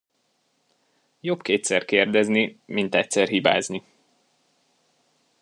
Jobb kétszer kérdezni, mint egyszer hibázni.